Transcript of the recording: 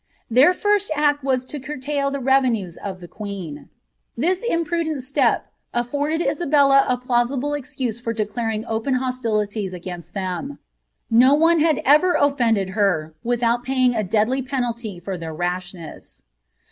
Their first act was to curtail the revenues of the queen. This imprudent step afforded Isabella a plausible excuse for declaring open hostilities against them. No one had ever offended her wiiliout paying a deadly penalty for their rashness.